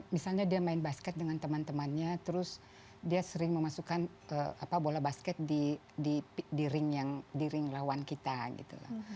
misalnya dia main basket dengan teman temannya terus dia sering memasukkan bola basket di ring lawan kita gitu loh